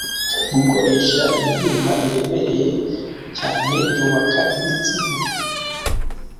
Gukoresha ibyuma biremereye cyane byubaka imitsi vuba